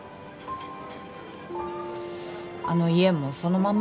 あの家もそのまま？